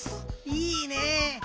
いいね！